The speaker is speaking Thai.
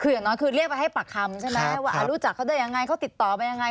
คืออย่างน้อยคือเรียกไปให้ปากคำใช่ไหมว่ารู้จักเขาได้ยังไงเขาติดต่อไปยังไง